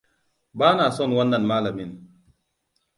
Ba na son wannan malamin.